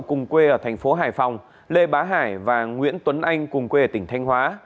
cùng quê ở thành phố hải phòng lê bá hải và nguyễn tuấn anh cùng quê ở tỉnh thanh hóa